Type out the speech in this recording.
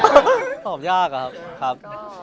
กลับตอบยากครับ